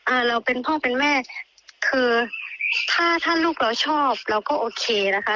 เราเป็นพ่อเป็นแม่คือถ้าถ้าลูกเราชอบเราก็โอเคนะคะ